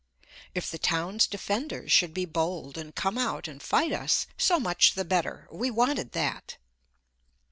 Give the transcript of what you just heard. If the town's defenders should be bold and come out and fight us, so much the better. We wanted that.